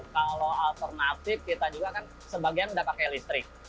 kalau alternatif kita juga kan sebagian sudah pakai listrik